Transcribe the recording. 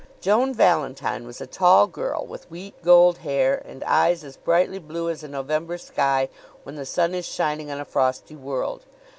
Joan Valentine was a tall girl with wheat gold hair and eyes as brightly blue as a November sky when the sun is shining on a frosty world.